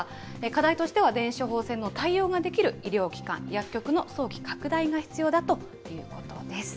課題としては、電子処方箋の対応ができる医療機関、薬局の早期拡大が必要だということです。